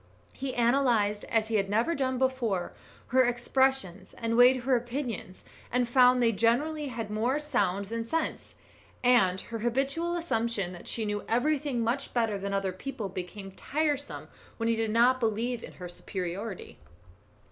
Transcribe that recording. He analysed, as he had never done before, her expressions, and weighed her opinions, and found they generally had more sound than sense; and her habitual assumption that she knew everything much better than other people, became tiresome when he did not believe in her superiority.